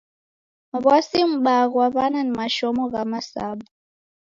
W'asi m'baa ghwa w'ana ni mashomo gha masabu.